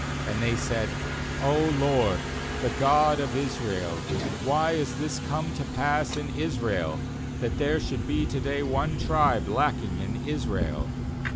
3And they said: '0 LORD, the God of Israel, why is this come to pass in Israel, that there should be to day one tribe lacking in Israel?'